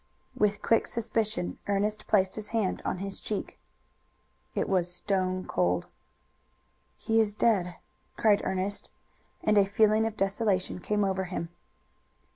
With quick suspicion Ernest placed his hand on his cheek. It was stone cold. "He is dead!" cried Ernest, and a feeling of desolation came over him.